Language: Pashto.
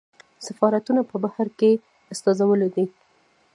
سفارتونه په بهر کې استازولۍ دي